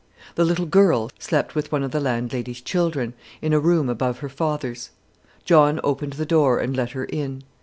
The little girl slept with one of the landlady's children, in a room above her father's. John opened the door, and let her in.